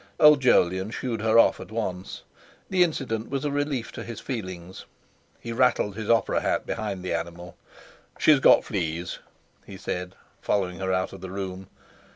Old Jolyon "shoo'd" her off at once. The incident was a relief to his feelings; he rattled his opera hat behind the animal. "She's got fleas," he said, following her out of the room.